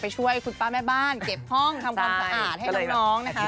ช่วยคุณป้าแม่บ้านเก็บห้องทำความสะอาดให้น้องนะคะ